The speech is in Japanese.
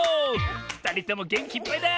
ふたりともげんきいっぱいだ！